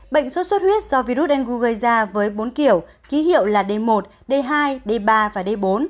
bệnh suốt huyết do virus dengue gây ra với bốn kiểu ký hiệu là d một d hai d ba và d bốn